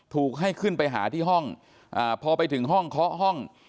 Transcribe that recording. ถูกให้ขึ้นไปหาที่ห้องพอไปถึงห้องเคาะห้อง